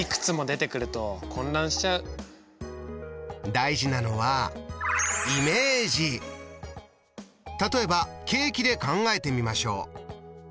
大事なのは例えばケーキで考えてみましょう。